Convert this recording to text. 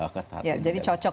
ketat jadi cocok